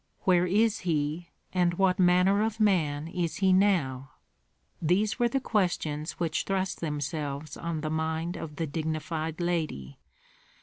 "Where is he, and what manner of man is he now?" These were the questions which thrust themselves on the mind of the dignified lady.